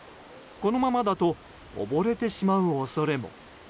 このままだと溺れてしまう恐れも。